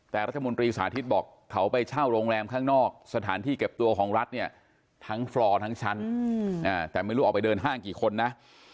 แต่รัฐมนตรีสาธิตบอกเขาไปเช่าโรงแรมข้างนอกสถานที่เก็บตัวของรัฐเนี่ยทั้งฟลอร์ทั้งชั้นแต่ไม่รู้ออกไปเดินห้างกี่คนนะ